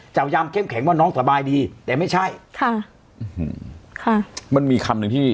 พยายามเข้มแข็งว่าน้องสบายดีแต่ไม่ใช่ค่ะค่ะมันมีคำหนึ่งที่